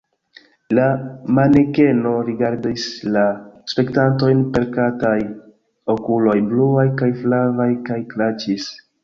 La manekeno rigardis la spektantojn per kataj okuloj, bluaj kaj flavaj, kaj kraĉis.